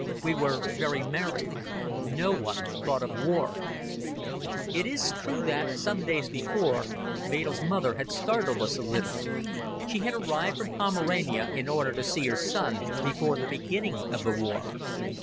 We were very merry. No one thought of war. It is true that, some days before, Wedel's mother had startled us a little. She had arrived from Pomerania in order to see her son before the beginning of the war.